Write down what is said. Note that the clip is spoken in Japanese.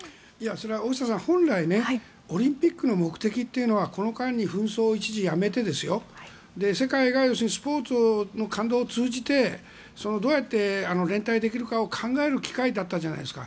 大下さん、本来はオリンピックの目的っていうのはこの間に紛争を一時やめて世界がスポーツの感動を通じてどうやって連帯できるかを考える機会だったじゃないですか。